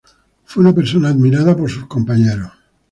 Fue una persona admirada por sus compañeros.